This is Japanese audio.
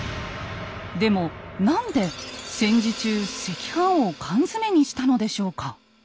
でも何で戦時中赤飯を缶詰にしたのでしょうか？